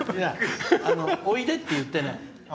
「おいで」って言ってない。